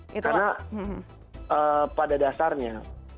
karena pada dasarnya